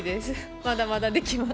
まだまだできます。